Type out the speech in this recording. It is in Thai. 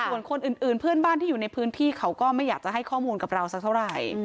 ส่วนคนอื่นเพื่อนบ้านที่อยู่ในพื้นที่เขาก็ไม่อยากจะให้ข้อมูลกับเราสักเท่าไหร่